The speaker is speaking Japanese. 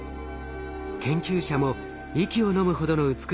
研究者も息をのむほどの美しさです。